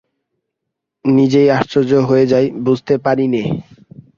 নিজেই আশ্চর্য হয়ে যাই, বুঝতে পারি নে।